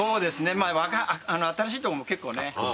まあ新しいとこも結構入って。